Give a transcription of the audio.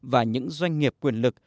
và những doanh nghiệp quyền lực